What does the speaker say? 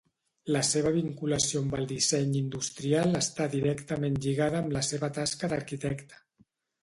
La seva vinculació amb el disseny industrial està directament lligada amb la seva tasca d'arquitecte.